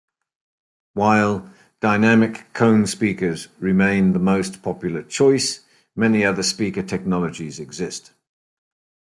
While dynamic cone speakers remain the most popular choice, many other speaker technologies exist.